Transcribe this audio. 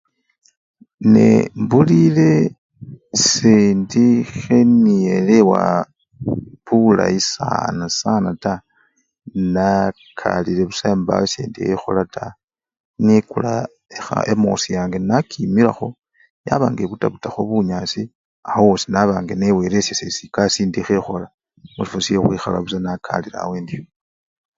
Nembulie sendi kheniyelewa bulayi sana sana taa nakalile busa mbawo nisyendi khekhola taa, nikula ekha! emosiyange nakimilakho yaba nga ebutabutakho bunyasi awowosi naba nga newelesye sesi ekasii indi khekhola musifwa syekhukhwikhala busa nakalilawo endyo.